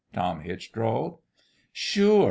" Tom Hitch drawled. " Sure !